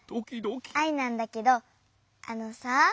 アイなんだけどあのさ。